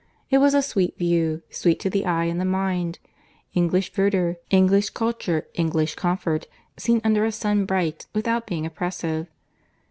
It was a sweet view—sweet to the eye and the mind. English verdure, English culture, English comfort, seen under a sun bright, without being oppressive.